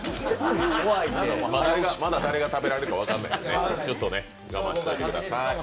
まだ誰が食べられるか分からないので我慢しておいてください。